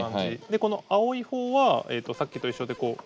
でこの青い方はさっきと一緒でこう。